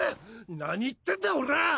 何言ってんだ俺ァ！？